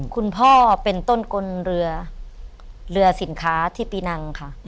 คุณพ่อเป็นต้นกลเรือเรือสินค้าที่ปีนังค่ะ